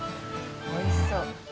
おいしそう。